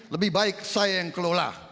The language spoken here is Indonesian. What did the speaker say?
lebih baik saya yang kelola